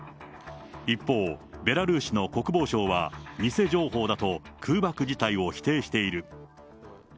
一方、ベラルーシの国防省は、偽情報だと空爆自体を否定している。